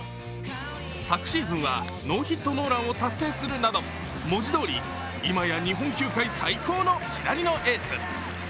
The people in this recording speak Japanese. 昨シーズンはノーヒットノーランを達成するなど文字どおり今や日本球界最高の左のエース。